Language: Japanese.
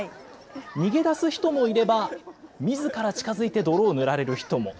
逃げ出す人もいれば、みずから近づいて泥を塗られる人も。